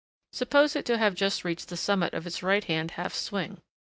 Suppose it to have just reached the summit of its right hand half swing.